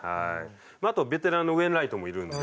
あとベテランのウェインライトもいるんで。